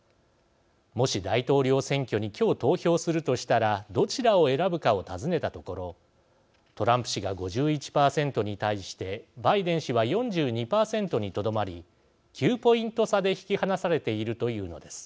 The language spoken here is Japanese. もし大統領選挙に今日投票するとしたらどちらを選ぶかを尋ねたところトランプ氏が５１％に対してバイデン氏は４２％にとどまり９ポイント差で引き離されているというのです。